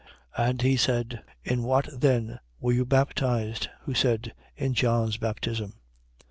19:3. And he said: In what then were you baptized? Who said: In John's baptism.